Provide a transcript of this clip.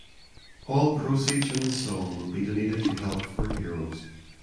All proceeds from the song will be donated to "Help for Heroes".